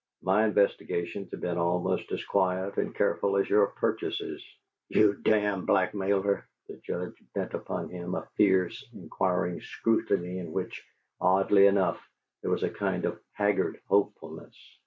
My investigations have been almost as quiet and careful as your purchases." "You damned blackmailer!" The Judge bent upon him a fierce, inquiring scrutiny in which, oddly enough, there was a kind of haggard hopefulness.